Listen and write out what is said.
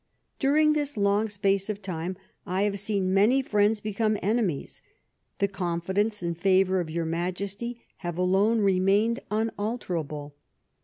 " During this long space of time I have seen many friends become enemies ; the confidence and the favour of your Majesty have alone remained unalterable.